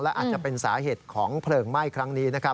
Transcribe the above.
และอาจจะเป็นสาเหตุของเพลิงไหม้ครั้งนี้นะครับ